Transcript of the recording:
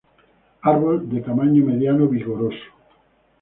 Árbol de tamaño mediano vigoroso.